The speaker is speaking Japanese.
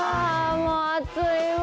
もう暑いわ。